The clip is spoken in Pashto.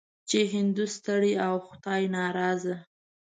چې هندو ستړی او خدای ناراضه.